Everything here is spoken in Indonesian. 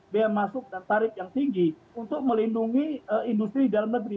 biaya masuk dan tarif yang tinggi untuk melindungi industri dalam negeri